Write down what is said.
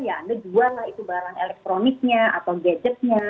ya anda jual lah itu barang elektroniknya atau gadgetnya